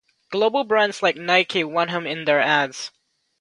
Global brands like Nike want him in their ads.